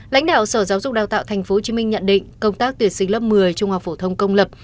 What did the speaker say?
lãnh đạo sở giáo dục đào tạo tp hcm nhận định công tác tuyển sinh lớp một mươi trung học phổ thông công lập